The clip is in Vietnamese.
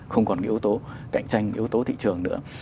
không còn cái yếu tố cạnh tranh yếu tố thị trường nữa